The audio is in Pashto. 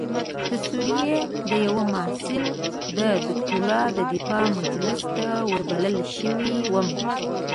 د سوریې د یوه محصل د دکتورا د دفاع مجلس ته وربلل شوی وم.